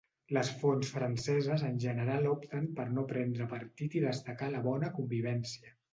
Les fonts franceses en general opten per no prendre partit i destacar la bona convivència.